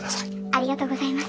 ありがとうございます。